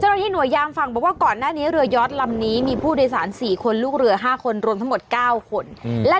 เจ้าหน้าที่หน่วยยามฝั่งบอกว่าก่อนหน้านี้เรือยอดลำนี้มีผู้โดยสารสี่คนลูกเรือห้าคนรวมทั้งหมดเก้าคนอืม